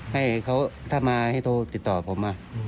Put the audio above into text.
ให้เขาถ้ามาให้โทรติดต่อผม